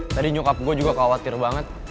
tadi nyukap gue juga khawatir banget